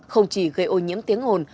không chỉ gây ô nhiễm tiếng ồn